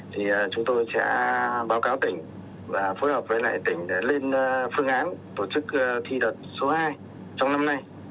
thì chúng tôi sẽ báo cáo tỉnh và phối hợp với lại tỉnh để lên phương án tổ chức thi đợt số hai trong năm nay